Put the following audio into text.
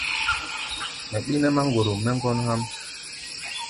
Mɛ ɓí nɛ́ máŋgorom mɛ́ ŋgɔ́n há̧ʼm.